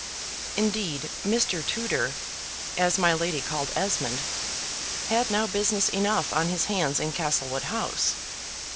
Indeed "Mr. Tutor," as my lady called Esmond, had now business enough on his hands in Castlewood house.